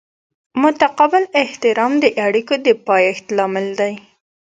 متقابل احترام د اړیکو د پایښت لامل دی.